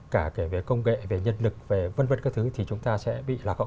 cả kể về công nghệ về nhân lực về vân vân các thứ thì chúng ta sẽ bị lạc hậu